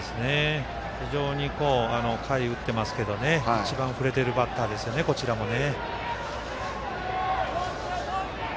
非常に下位打ってますけど一番振れてるバッターですよねこちらもね。